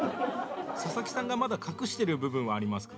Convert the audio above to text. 佐々木さんがまだ隠してる部分はありますか？